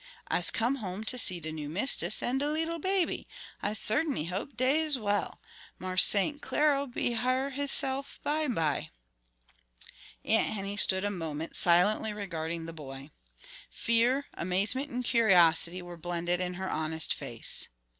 "I'se come home ter see de new mistis an' de leetle baby; I cert'n'y hope dey is well. Marse St. Clar'll be hyar hisself bimeby." Aunt Henny stood a moment silently regarding the boy. Fear, amazement and curiosity were blended in her honest face.